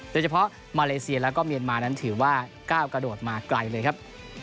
โดยเฉพาะมาเลเซียแล้วก็เมียนมานั้นถือว่าก้าวกระโดดมาไกลเลยครับ